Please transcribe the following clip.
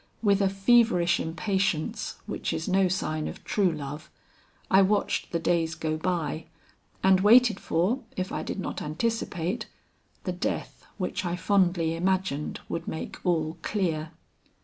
With a feverish impatience which is no sign of true love, I watched the days go by, and waited for, if I did not anticipate, the death which I fondly imagined would make all clear.